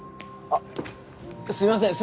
あっすいません